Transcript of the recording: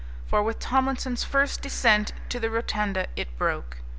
For with Tomlinson's first descent to the rotunda it broke.